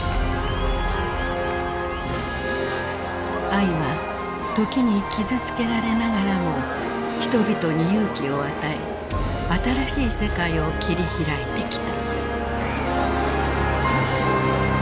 愛は時に傷つけられながらも人々に勇気を与え新しい世界を切り開いてきた。